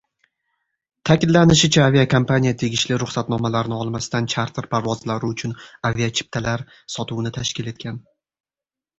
Ta’kidlanishicha, aviakompaniya tegishli ruxsatnomalarni olmasdan, charter parvozlari uchun aviachiptalar sotuvini tashkil etgan